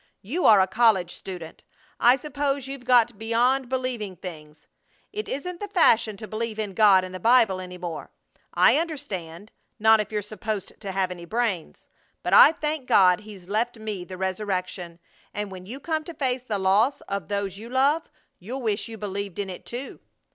You are a college student. I suppose you've got beyond believing things. It isn't the fashion to believe in God and the Bible any more, I understand, not if you're supposed to have any brains. But I thank God He's left me the resurrection. And when you come to face the loss of those you love you'll wish you believed in it, too."